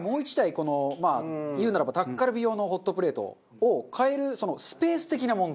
このまあ言うならばタッカルビ用のホットプレートを買えるそのスペース的な問題。